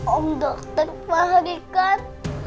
om dokter fahri kan